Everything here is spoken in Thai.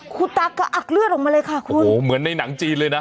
คุณตาก็อักเลือดออกมาเลยค่ะคุณโอ้โหเหมือนในหนังจีนเลยนะ